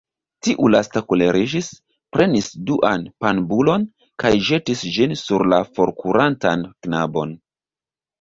Tiu lasta koleriĝis, prenis duan panbulon kaj ĵetis ĝin sur la forkurantan knabon.